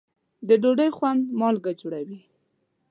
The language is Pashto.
د ډوډۍ خوند مالګه جوړوي.